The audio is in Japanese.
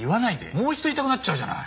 もう一度言いたくなっちゃうじゃない。